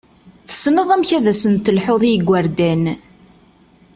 Tessneḍ amek ad sen-telḥuḍ i yigurdan!